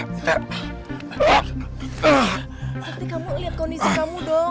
berarti kamu lihat kondisi kamu dong